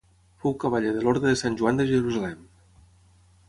Fou cavaller de l'Orde de Sant Joan de Jerusalem.